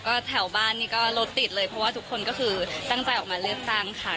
ก็แถวบ้านนี่ก็รถติดเลยเพราะว่าทุกคนก็คือตั้งใจออกมาเลือกตั้งค่ะ